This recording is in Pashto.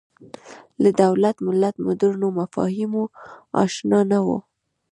له دولت ملت مډرنو مفاهیمو اشنا نه وو